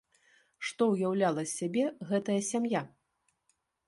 Што ўяўляла з сябе гэтая сям'я?